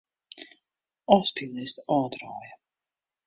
Ofspyllist ôfdraaie.